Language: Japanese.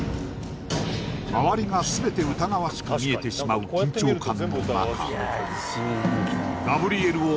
周りが全て疑わしく見えてしまう緊張感の中ガブリエルを